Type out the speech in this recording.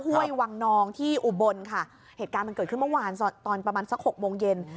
ห้วยวังนองที่อุบลค่ะเหตุการณ์มันเกิดขึ้นเมื่อวานตอนประมาณสักหกโมงเย็น